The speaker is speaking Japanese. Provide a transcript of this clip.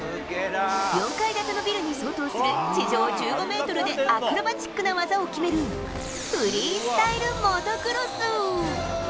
４階建てのビルに相当する、地上１５メートルで、アクロバティックな技を決める、フリースタイルモトクロス。